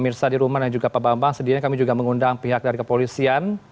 tadi rumahnya juga pak bambang sedihnya kami juga mengundang pihak dari kepolisian